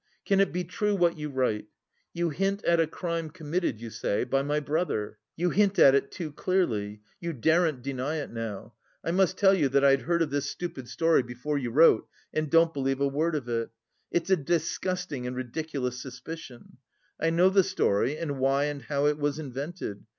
"Can it be true what you write? You hint at a crime committed, you say, by my brother. You hint at it too clearly; you daren't deny it now. I must tell you that I'd heard of this stupid story before you wrote and don't believe a word of it. It's a disgusting and ridiculous suspicion. I know the story and why and how it was invented.